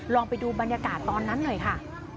ลองไปดูบรรยากาศตอนนั้นหน่อยค่ะ